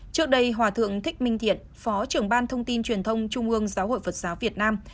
trước đây hòa thượng thích minh thiện phó trưởng ban thông tin truyền thông trung ương giáo hội phật giáo việt nam